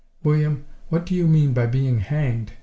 "William, what do you mean by being hanged?"